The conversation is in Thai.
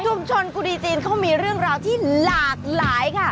กุดีจีนเขามีเรื่องราวที่หลากหลายค่ะ